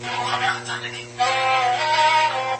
بې نورمۍ له امله ځان وژنه بله بېلګه ده.